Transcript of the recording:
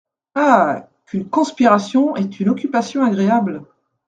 Ah ! qu’une conspiration est une occupation agréable !